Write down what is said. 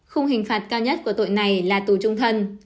khung hình phạt cao nhất của tội này là tù trung thân